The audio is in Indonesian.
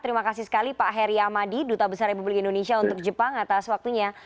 terima kasih sekali pak heri amadi duta besar republik indonesia untuk jepang atas waktunya